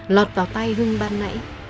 lọt vào tay hưng ban nãy